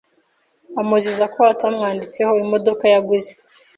amuziza ko atamwanditseho imodoka yaguze